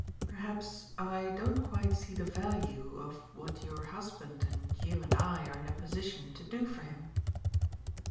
"Perhaps I don't quite see the value of what your husband and you and I are in a position to do for him."